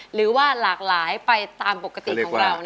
หรือว่าหลากหลายไปตามปกติของเรา